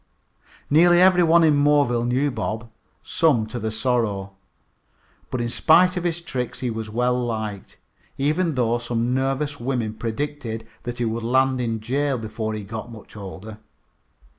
Nearly every one in Moreville knew Bob, some to their sorrow. But in spite of his tricks he was well liked, even though some nervous women predicted that he would land in jail before he got to be much older.